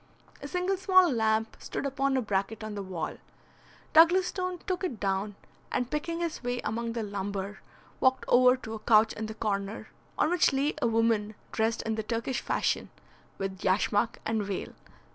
A single small lamp stood upon a bracket on the wall. Douglas Stone took it down, and picking his way among the lumber, walked over to a couch in the corner, on which lay a woman dressed in the Turkish fashion, with yashmak and veil.